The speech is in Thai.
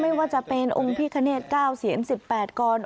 ไม่ว่าจะเป็นองค์พิคเนต๙เสียน๑๘กร